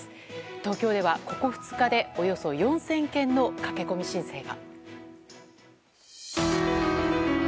東京ではここ２日でおよそ４０００件の駆け込み申請が。